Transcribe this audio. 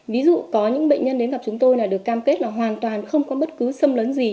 ví dụ có những bệnh nhân đến gặp chúng tôi là được cam kết là hoàn toàn không có bất cứ sâm lớn gì